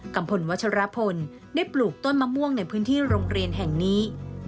พลวัชรพลได้ปลูกต้นมะม่วงในพื้นที่โรงเรียนแห่งนี้